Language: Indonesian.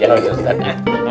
jangan gitu ustaz